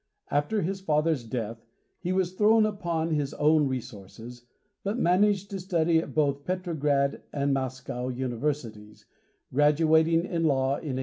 After his father's death he was thrown upon his own resources, but managed to study at both Petrograd and Moscow Universities, graduating in Law in 1897.